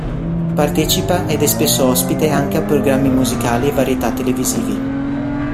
Partecipa ed è spesso ospite anche a programmi musicali e varietà televisivi.